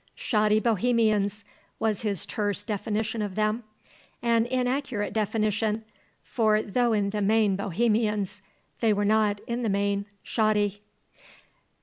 "Shoddy Bohemians," was his terse definition of them; an inaccurate definition; for though, in the main, Bohemians, they were not, in the main, shoddy.